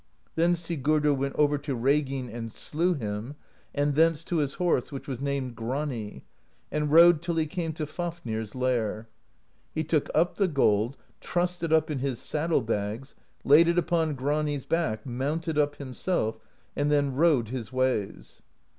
Then Sigurdr went over to Reginn and slew him, and thence to his horse, which was named Grani, and rode till he came to Fafnir's lair. He took up the gold, trussed it up in his saddle bags, laid it uponGrani's back, mounted up himself, and then rode his ways.